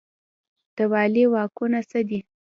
د والي واکونه څه دي؟